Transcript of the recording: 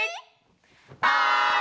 はい！